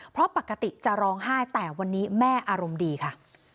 เพราะปกติจะร้องไห้แต่วันนี้แม่อารมณ์ดีค่ะ